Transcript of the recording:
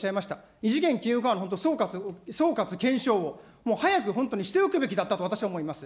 異次元金融緩和の本当、総括、検証、もう早く本当にしておくべきだったと私は思います。